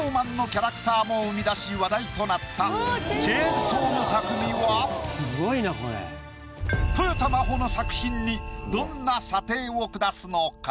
キャラクターも生み出し話題となったチェーンソーの匠はとよた真帆の作品にどんな査定を下すのか？